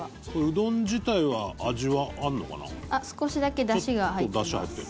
うどん自体は味はあるのかな？